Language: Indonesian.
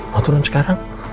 mau turun sekarang